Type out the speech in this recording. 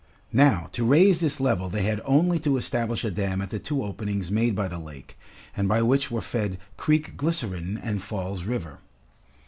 Now, to raise this level they had only to establish a dam at the two openings made by the lake, and by which were fed Creek Glycerine and Falls River.